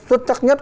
rất chắc nhất